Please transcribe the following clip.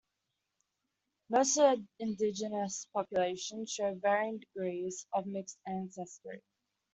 Most of the indigenous population show varying degrees of mixed ancestry.